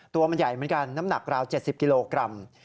ตัวมันใหญ่เหมือนกันน้ำหนักราว๗๐กิโลกรัม